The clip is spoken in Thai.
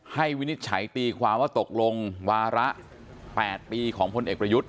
วินิจฉัยตีความว่าตกลงวาระ๘ปีของพลเอกประยุทธ์